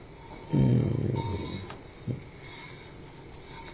うん。